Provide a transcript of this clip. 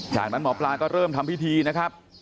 จากนั้นหมอปลาก็เริ่มทำพิธีนะครับ